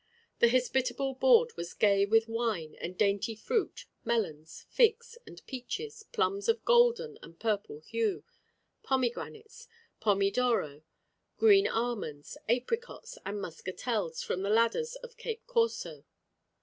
The hospitable board was gay with wine and dainty fruit, melons, figs, and peaches, plums of golden and purple hue, pomegranates, pomi d'oro, green almonds, apricots, and muscatels from the ladders of Cape Corso.